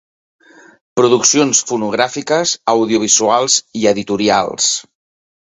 Produccions fonogràfiques, audiovisuals i editorials.